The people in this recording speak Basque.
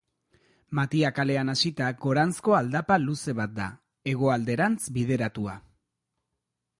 Matia kalean hasita, goranzko aldapa luze bat da, hegoalderantz bideratua.